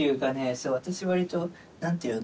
それ私割と何て言うの？